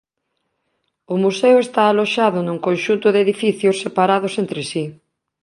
O museo está aloxado nun conxunto de edificios separados entre si.